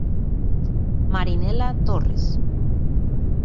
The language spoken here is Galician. Marinela Torres.